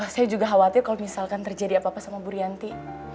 saya juga khawatir kalau misalkan terjadi apa apa sama bu rianti